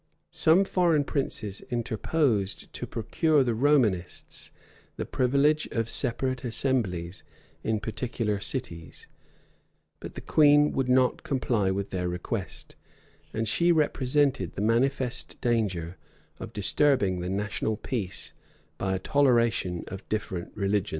[] Some foreign princes interposed to procure the Romanists the privilege of separate assemblies in particular cities, but the queen would not comply with their request; and she represented the manifest danger of disturbing the national peace by a toleration of different religions.